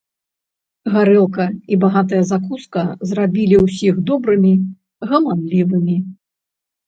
Гарэлка і багатая закуска зрабілі ўсіх добрымі, гаманлівымі.